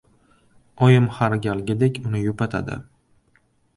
Oyim har galgidek uni yupatadi: